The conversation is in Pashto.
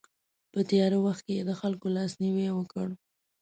په تیاره وخت کې یې د خلکو لاسنیوی وکړ.